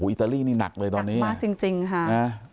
อิตาลีนี่หนักเลยตอนนี้หนักจริงค่ะนะ